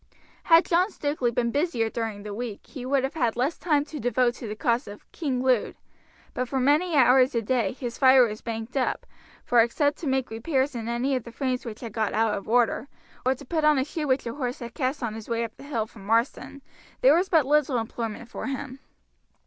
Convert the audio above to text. Had John Stukeley been busier during the week he would have had less time to devote to the cause of "King Lud;" but for many hours a day his fire was banked up, for except to make repairs in any of the frames which had got out of order, or to put on a shoe which a horse had cast on his way up the hill from Marsden, there was but little employment for him.